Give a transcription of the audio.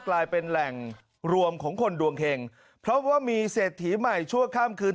กลายเป็นแหล่งรวมของคนดวงเห็งเพราะว่ามีเศรษฐีใหม่ชั่วข้ามคืน